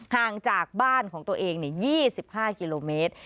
ห่างจากบ้านของตัวเอง๒๕กิโลเมตร